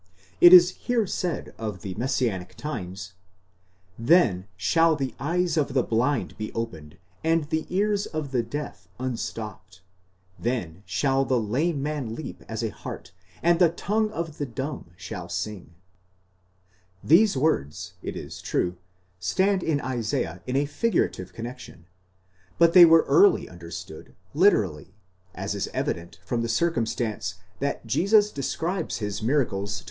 It is here said of the messianic times: Zhen shall the eyes of the blind be opened and the ears of the deaf unstopped ; then shall the lame man leap as a hart, and the tongue of the dumb shall sing. These words, it is true, stand in Isaiah in a figurative connexion, but they were early understood literally, as is evident from the circumstance that Jesus describes his miracles 1 See the passages quoted in the first volume, Introd.